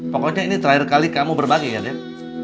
pokoknya ini terakhir kali kamu berbagi ya dem